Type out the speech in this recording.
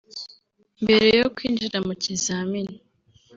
Mbere yo kwinjira mu kizamini